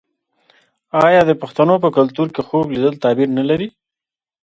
آیا د پښتنو په کلتور کې خوب لیدل تعبیر نلري؟